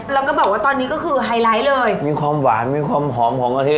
แล้วก็บอกว่าตอนนี้ก็คือไฮไลท์เลยมีความหวานมีความหอมของกะทิ